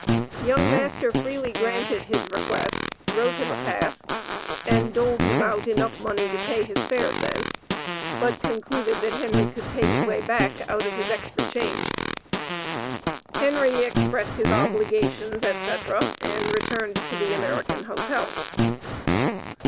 Young master freely granted his request, wrote him a pass, and doled him out enough money to pay his fare thence, but concluded that Henry could pay his way back out of his extra change. Henry expressed his obligations, etc., and returned to the American Hotel.